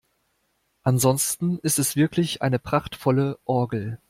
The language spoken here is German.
Ansonsten ist es wirklich eine prachtvolle Orgel.